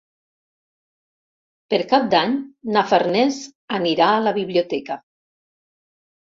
Per Cap d'Any na Farners anirà a la biblioteca.